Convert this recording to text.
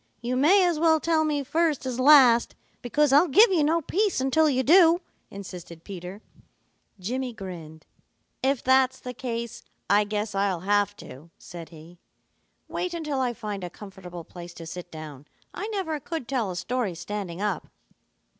You may as well tell me first as last, because I'll give you no peace until you do," insisted Peter. Jimmy grinned. "If that's the case, I guess I'll have to," said he. "Wait until I find a comfortable place to sit down. I never could tell a story standing up."